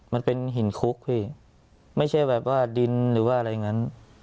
มันเป็นหินคุกพี่ไม่ใช่แบบว่าดินหรือว่าอะไรอย่างนั้น